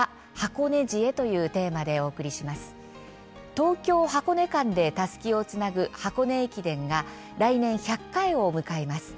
東京・箱根間でたすきをつなぐ箱根駅伝が来年１００回を迎えます。